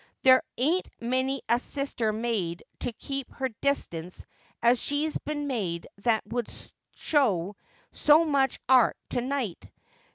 There ain't many a sister made to keep her distance as she's been made that would show so much 'art to ni^ht.